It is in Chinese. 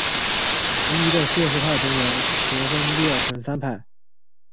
其余的谢赫派成员则分裂成三派。